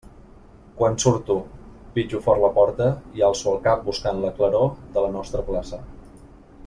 Quan surto, pitjo fort la porta i alço el cap buscant la claror de la nostra plaça.